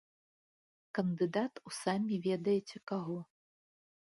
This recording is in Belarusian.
Кандыдат у самі ведаеце каго.